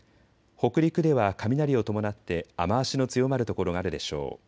北陸では雷を伴って雨足の強まる所があるでしょう。